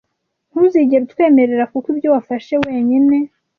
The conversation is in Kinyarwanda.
Ntuzigere utwemerera kuko ibyo wafashe wenyine